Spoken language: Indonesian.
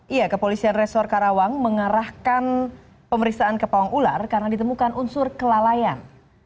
iya kepolisian resor karawang mengarahkan pemeriksaan ke pawang ular karena ditemukan unsur kelalaian